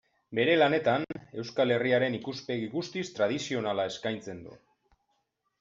Bere lanetan, Euskal Herriaren ikuspegi guztiz tradizionala eskaintzen du.